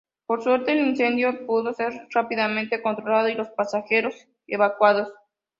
Por suerte, el incendio pudo ser rápidamente controlado y los pasajeros evacuados.